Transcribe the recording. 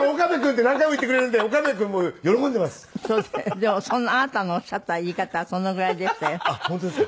でもあなたのおっしゃった言い方はそのぐらいでしたよ。